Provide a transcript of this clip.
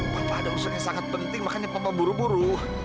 papa ada unsur yang sangat penting makanya papa buru buru